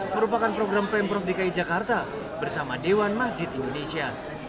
merupakan program pemprov dki jakarta bersama dewan masjid indonesia